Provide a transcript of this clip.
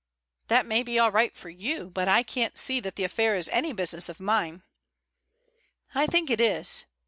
"That may be all right for you, but I can't see that the affair is any business of mine." "I think it is."